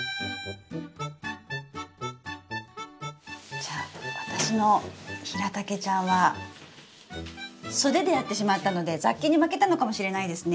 じゃあ私のヒラタケちゃんは素手でやってしまったので雑菌に負けたのかもしれないですね。